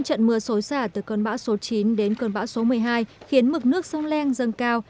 trận mưa xối xả từ cơn bão số chín đến cơn bão số một mươi hai khiến mực nước sông leng dâng cao